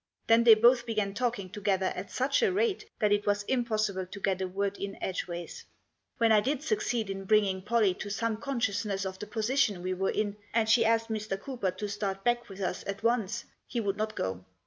Then they both began talking together at such a rate that it was impossible to get a word in edgeways. When I did succeed in bringing Pollie to some consciousness of the position we were in, and she asked Mr. Cooper to start back with us at once, he would not go.